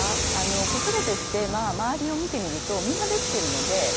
子育てってまあ周りを見てみるとみんなできてるのでできて当たり前。